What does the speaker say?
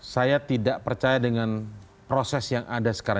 saya tidak percaya dengan proses yang ada sekarang